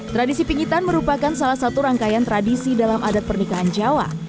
tradisi pingitan merupakan salah satu rangkaian tradisi dalam adat pernikahan jawa